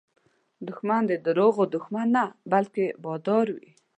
دښمن د دروغو دښمن نه، بلکې بادار وي